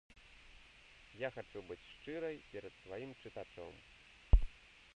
Я хачу быць шчырай перад сваім чытачом.